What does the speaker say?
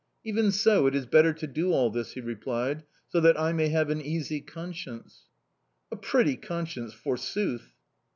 "'Even so, it is better to do all this,' he replied, 'so that I may have an easy conscience.' "A pretty conscience, forsooth!